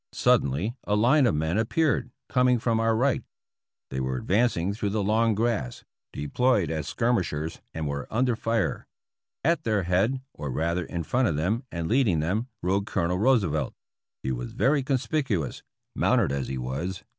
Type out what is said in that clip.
Suddenly a line of men appeared coming from our right. They were advancing through the long grass, de ployed as skirmishers and were under fire. At their head, or rather in front of them and leading them, rode Colonel Roosevelt. He was very conspicuous, mounted as he was.